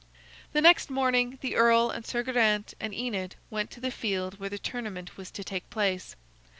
The next morning, the earl and Sir Geraint and Enid went to the field where the tournament was to take place.